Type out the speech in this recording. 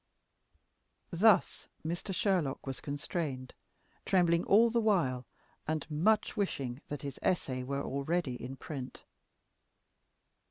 Thus Mr. Sherlock was constrained, trembling all the while, and much wishing that his essay were already in print.